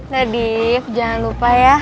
nadif jangan lupa ya